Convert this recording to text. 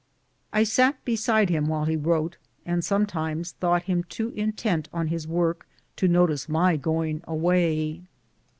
I sat beside him while he wrote, and sometimes thought him too in tent on his work to notice my going away.